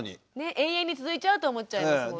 永遠に続いちゃうと思っちゃいますもんね。